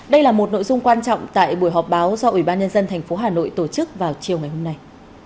đây là một nội dung quan trọng tại buổi họp báo do ủy ban nhân dân tp hà nội tổ chức vào chiều ngày hôm nay